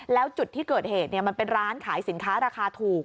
แล้วจุดที่เกิดเหตุมันเป็นร้านขายสินค้าราคาถูก